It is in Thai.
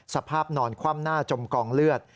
สภาพนอนคว่ำหน้าจมกองเลือด